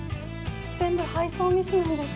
全部配送ミスなんです。